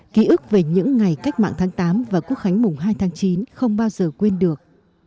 ký ức về những ngày cách mạng tháng tám và quốc khánh mùng hai tháng chín không bao giờ quên được